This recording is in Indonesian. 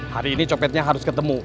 hari ini copetnya harus ketemu